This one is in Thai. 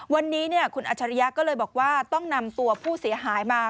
วันนี้คุณอัจฉริยะก็เลยบอกว่าต้องนำตัวผู้เสียหายมา